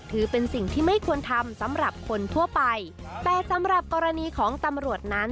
ถือเป็นสิ่งที่ไม่ควรทำสำหรับคนทั่วไปแต่สำหรับกรณีของตำรวจนั้น